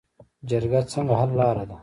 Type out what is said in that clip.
جرګه څنګه حل لاره ده؟